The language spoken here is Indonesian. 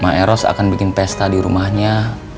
mbak eros akan bikin pesta di rumahnya